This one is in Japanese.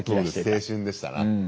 青春でしたな。